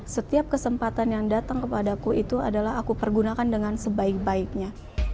setiap kesempatan yang datang kepadaku itu adalah aku pergunakan dengan sebaik baiknya